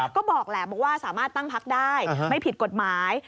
ก็บอกแหละบอกว่าสามารถตั้งพักได้ไม่ผิดกฎหมาย